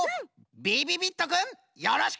びびびっとくんよろしく！